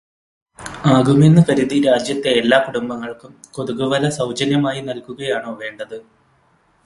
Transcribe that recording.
ആകുമെന്ന് കരുതി രാജ്യത്തെ എല്ലാ കുടുംബങ്ങൾക്കും കൊതുകുവല സൗജന്യമായി നൽകുകയാണോ വേണ്ടത്?